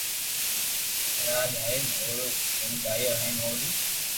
راھ جالين او رو گڻگايو ھين او ري